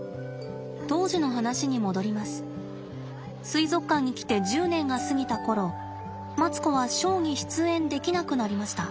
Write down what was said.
水族館に来て１０年が過ぎた頃マツコはショーに出演できなくなりました。